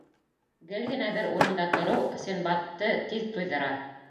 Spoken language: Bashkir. Гел генә бер урында тороу Синдбадты тиҙ туйҙыра.